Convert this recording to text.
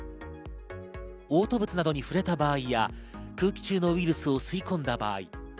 おう吐物などに触れた場合や空気中のウイルスを吸い込んだ場合。